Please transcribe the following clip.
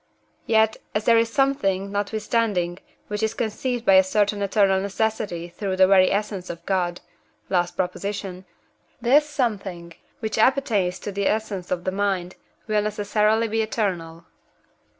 Yet, as there is something, notwithstanding, which is conceived by a certain eternal necessity through the very essence of God (last Prop.); this something, which appertains to the essence of the mind, will necessarily be eternal.